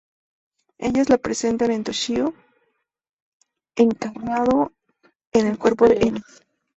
Ellas le presentan a Toshio, encarnado en el cuerpo de Ena.